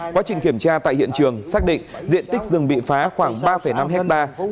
quá trình kiểm tra tại hiện trường xác định diện tích rừng bị phá khoảng ba năm hectare